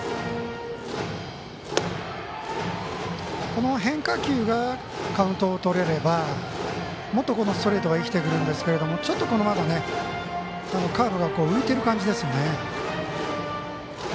この変化球がカウントをとれればもっと、ストレートが生きてくるんですけどちょっと、まだカーブが浮いてる感じですね。